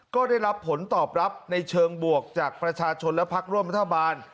ก็ได้รับผลตอบรับในเชิงบวกจากประชาชนและพักร่วมรัฐบาล